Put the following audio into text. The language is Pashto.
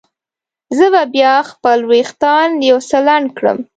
زه به بیا خپل وریښتان یو څه لنډ کړم.